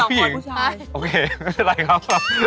เป็นไรครับ